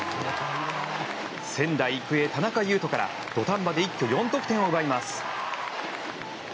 仙台育英、田中優飛から土壇場で一挙４得点を奪います。